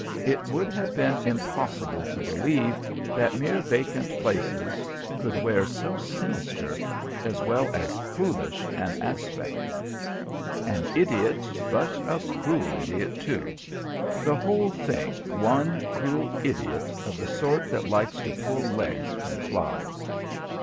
It would have been impossible to believe that mere vacant places could wear so sinister, as well as foolish, an aspect. An idiot, but a cruel idiot, too: the whole thing one cruel idiot, of the sort that likes to pull legs from flies.